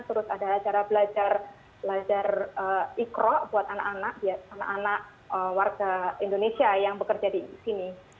terus ada acara ikro buat anak anak warga indonesia yang bekerja di sini